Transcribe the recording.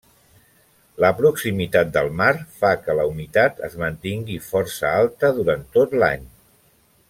La proximitat del mar fa que la humitat es mantingui força alta durant tot l'any.